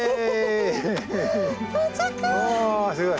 おすごい。